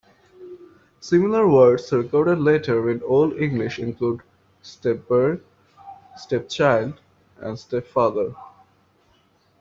Similar words recorded later in Old English include "stepbairn", "stepchild" and "stepfather".